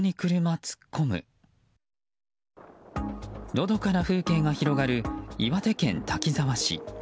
のどかな風景が広がる岩手県滝沢市。